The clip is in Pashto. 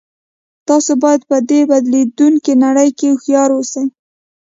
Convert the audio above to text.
تاسې باید په دې بدلیدونکې نړۍ کې هوښیار اوسئ